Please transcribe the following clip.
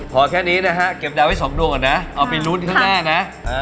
พอแค่นี้นะฮะเก็บดาวไว้๒ดวงก่อนนะเอาไปลุ้นข้างหน้านะ